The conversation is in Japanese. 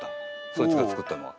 そいつがつくったのは。